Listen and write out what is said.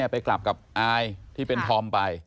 ไปกลับกับอายที่เป็นธอมไป